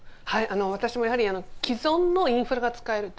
私もやはり既存のインフラが使えると。